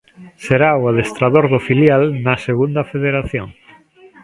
Será o adestrador do filial na Segunda Federación.